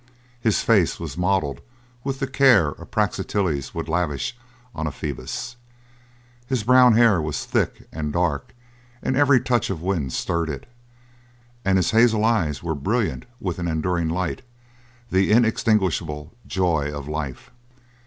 His face was modelled with the care a Praxiteles would lavish on a Phoebus. His brown hair was thick and dark and every touch of wind stirred it, and his hazel eyes were brilliant with an enduring light the inextinguishable joy of life.